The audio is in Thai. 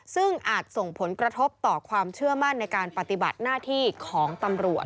ซึ่งอาจส่งผลกระทบต่อความเชื่อมั่นในการปฏิบัติหน้าที่ของตำรวจ